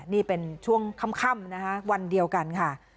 นี่เป็นช่วงค่ำนะคะวันเดียวกันค่ะ